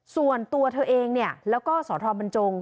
ส่วนตัวเธอเองแล้วก็สอทบรรจงก์